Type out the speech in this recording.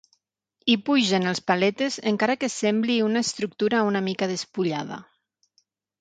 Hi pugen els paletes encara que sembli una estructura una mica despullada.